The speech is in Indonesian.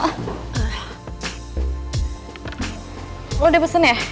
lo udah pesen ya